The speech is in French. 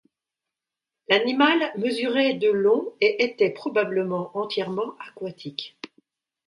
L'animal mesurait de long et était probablement entièrement aquatique.